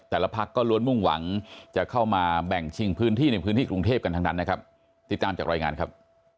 แต่ละพักก็ล้วนมุ่งหวังจะเข้ามาแบ่งชิงพื้นที่ในพื้นที่กรุงเทพฯกันทั้งนั้นนะครับ